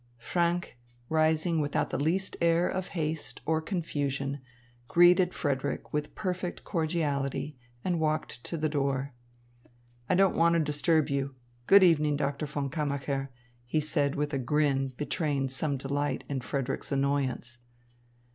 Franck, rising without the least air of haste or confusion, greeted Frederick with perfect cordiality and walked to the door. "I don't want to disturb you. Good evening, Doctor von Kammacher," he said with a grin betraying some delight in Frederick's annoyance.